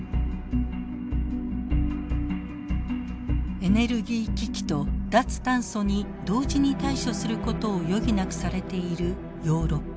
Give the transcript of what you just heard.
エネルギー危機と脱炭素に同時に対処することを余儀なくされているヨーロッパ。